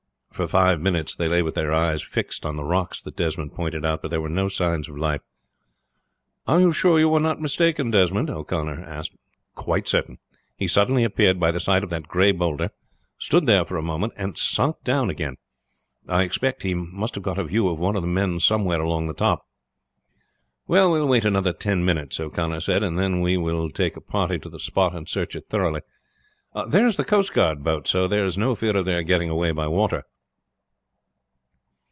For five minutes they lay with their eyes fixed on the rocks that Desmond pointed out, but there were no signs of life. "Are you sure you were not mistaken, Desmond?" O'Connor asked. "Quite certain. He suddenly appeared by the side of that gray bowlder, stood there for a moment, and sunk down again. I expect he must have got a view of one of the men somewhere along the top." "We will wait another ten minutes," O'Connor said, "and then we will take a party to the spot and search it thoroughly. There is the coast guard boat, so there is no fear of their getting away by water."